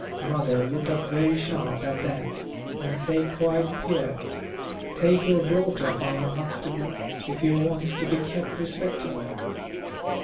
Mother look up very sharp at that, and say quite peart, "take your daughter, farmer Huxtable, if you wants to be kept respectable."